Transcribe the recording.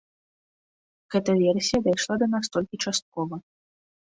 Гэта версія дайшла да нас толькі часткова.